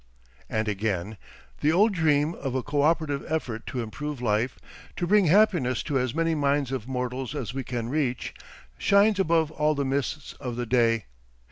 And again: "The old dream of a co operative effort to improve life, to bring happiness to as many minds of mortals as we can reach, shines above all the mists of the day.